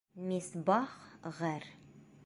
Мисбах ғәр.